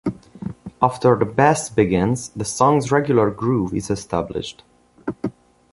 After the bass begins, the song's regular groove is established.